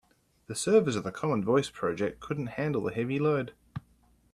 The servers of the common voice project couldn't handle the heavy load.